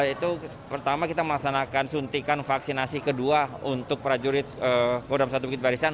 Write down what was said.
itu pertama kita melaksanakan suntikan vaksinasi kedua untuk prajurit kodam satu bukit barisan